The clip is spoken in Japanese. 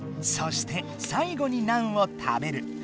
そして最後にナンを食べる。